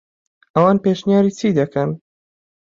ئەوان پێشنیاری چی دەکەن؟